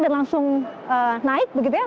dan langsung naik begitu ya